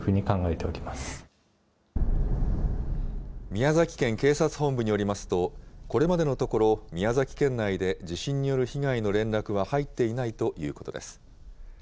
宮崎県警察本部によりますと、これまでのところ、宮崎県内で地震による被害の連絡は入っていないということです。